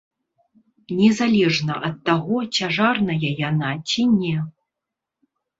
Незалежна ад таго, цяжарная яна ці не.